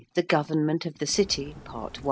THE GOVERNMENT OF THE CITY. PART I.